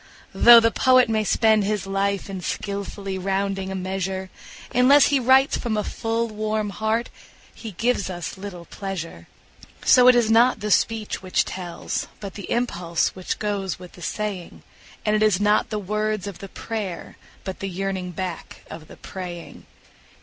Though the poet may spend his life in skilfully rounding a measure, Unless he writes from a full, warm heart he gives us little pleasure. So it is not the speech which tells, but the impulse which goes with the saying; And it is not the words of the prayer, but the yearning back of the praying.